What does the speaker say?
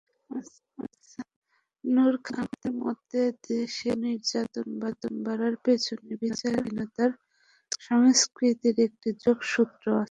নূর খানের মতে, দেশে শিশু নির্যাতন বাড়ার পেছনে বিচারহীনতার সংস্কৃতির একটি যোগসূত্র আছে।